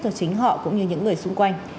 cho chính họ cũng như những người xung quanh